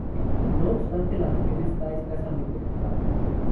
No obstante la región está escasamente poblada.